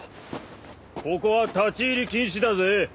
ここは立ち入り禁止だぜ。